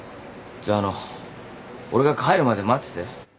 じゃあの俺が帰るまで待ってて。